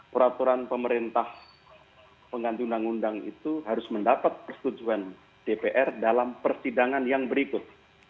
peraturan pemerintah pengganti undang undang itu harus mendapat persetujuan dpr dalam persidangan yang berikut